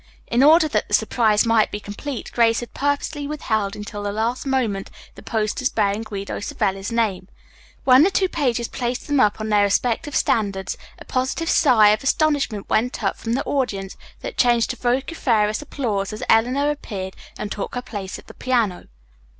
In order that the surprise might be complete, Grace had purposely withheld until the last moment the posters bearing Guido Savelli's name. When the two pages placed them up on their respective standards, a positive sigh of astonishment went up from the audience that changed to vociferous applause as Eleanor appeared and took her place at the piano.